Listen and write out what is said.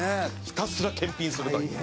ひたすら検品するという。